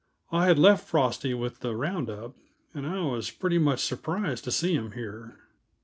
I had left Frosty with the round up, and I was pretty much surprised to see him here.